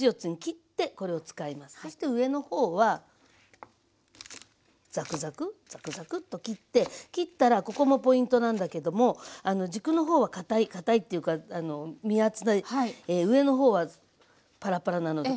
そして上の方はザクザクザクザクッと切って切ったらここもポイントなんだけども軸の方はかたいかたいっていうか身厚で上の方はパラパラなので。